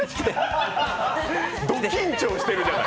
ド緊張しているじゃない。